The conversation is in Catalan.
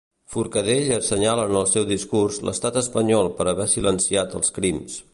Forcadell assenyala en el seu discurs l'estat espanyol per haver silenciat els crims.